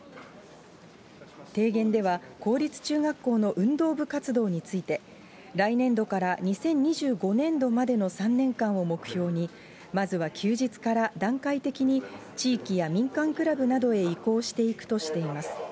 提言では、公立中学校の運動部活動について、来年度から２０２５年度までの３年間を目標に、まずは休日から段階的に、地域や民間クラブなどへ移行していくとしています。